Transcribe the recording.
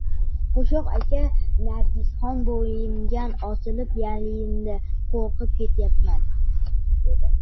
— Qo‘shoq aka!— Nargisxon bo‘ynimga osilib yalindi.— Qo‘rqib ketyapan!